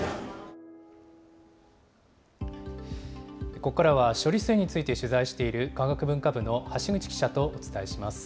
ここからは、処理水について取材している、科学文化部の橋口記者とお伝えします。